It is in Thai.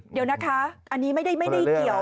เดี๋ยวนะคะอันนี้ไม่ได้เกี่ยว